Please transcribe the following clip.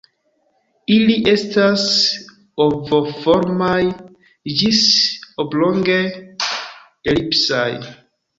Ili estas ovoformaj ĝis oblonge-elipsaj.